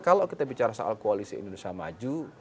kalau kita bicara soal koalisi indonesia maju